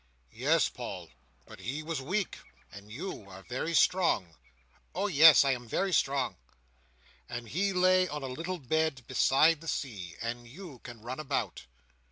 "Yes, Paul. But he was weak, and you are very strong." "Oh yes, I am very strong." "And he lay on a little bed beside the sea, and you can run about."